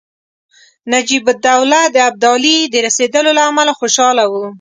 نجیب الدوله د ابدالي د رسېدلو له امله خوشاله وو.